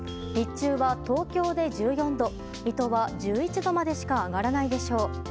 日中は東京で１４度水戸は１１度までしか上がらないでしょう。